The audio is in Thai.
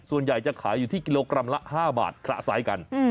ส่วนใหญ่จะขายอยู่ที่กิโลกรัมละ๕บาทคละไซส์กัน